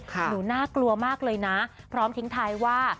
หนูน่ากลัวมากเลยนะพร้อมทิ้งท้ายว่า